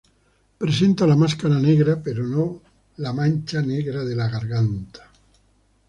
Presenta la máscara negra pero no la mancha negra de la garganta.